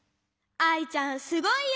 アイちゃんすごいよ！